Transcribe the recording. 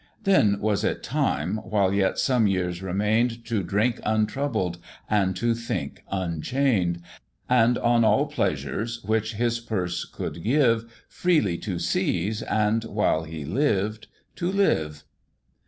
Then was it time, while yet some years remain'd, To drink untroubled and to think unchain'd, And on all pleasues, which his purse could give, Freely to seize, and while he lived, to live."